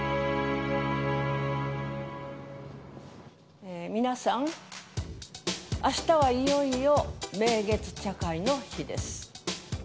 えー皆さん明日はいよいよ名月茶会の日です。